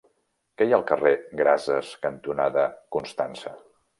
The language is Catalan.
Què hi ha al carrer Grases cantonada Constança?